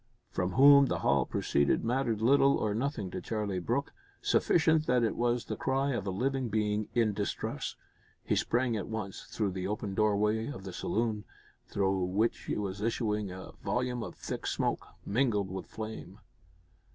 From whom the howl proceeded mattered little or nothing to Charlie Brooke. Sufficient that it was the cry of a living being in distress. He sprang at once through the open doorway of the saloon, through which was issuing a volume of thick smoke, mingled with flame.